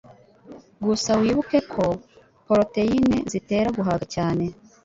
Gusa wibuke ko poroteyine zitera guhaga cyane